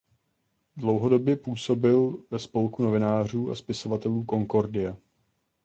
Dlouhodobě působil ve spolku novinářů a spisovatelů Concordia.